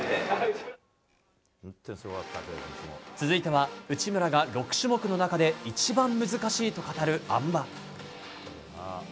続いては、内村が６種目の中で一番難しいと語る、あん馬。